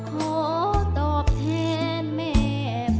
ขอตอบแทนแม่พ่อ